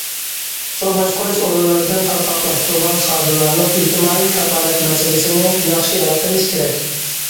سۇ باشقۇرۇش ئورۇنلىرىدىن تارقاقلاشتۇرۇلغان خادىملارنىڭ ئىجتىمائىي كاپالەت مەسىلىسىنى ياخشى ھەل قىلىش كېرەك.